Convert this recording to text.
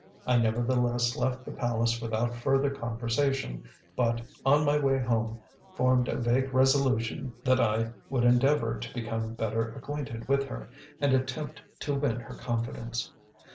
I nevertheless left the palace without further conversation, but, on my way home, formed a vague resolution that I would endeavor to become better acquainted with her, and attempt to win her confidence.